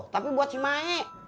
tapi buat si mai